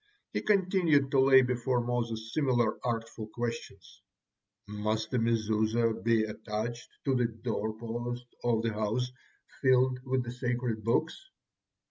He continued to lay before Moses similar artful questions: "Must a Mezuzah be attached to the doorpost of the house filled with the sacred Books?"